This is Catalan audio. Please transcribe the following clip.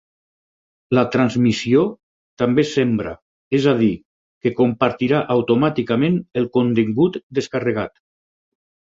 La transmissió també sembra, és a dir, que compartirà automàticament el contingut descarregat.